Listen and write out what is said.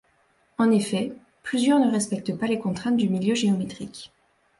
En effet, plusieurs ne respectent pas les contraintes du milieu géométrique.